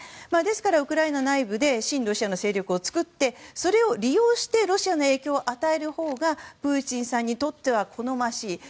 ですからウクライナ内部でロシアの勢力を作ってそれを利用してロシアに影響を与えるほうがプーチンさんにとっては好ましい。